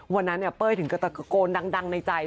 วันนั้นเนี่ยเป้ยถึงกระตะโกนดังในใจ